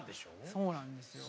そうなんですよ。